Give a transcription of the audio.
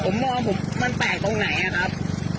ผมมองผมมันแปลกตรงไหนอะครับ